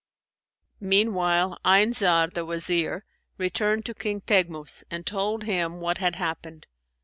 Meanwhile Ayn Zar, the Wazir, returned to King Teghmus and told him what had happened.